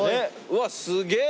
うわすげぇ。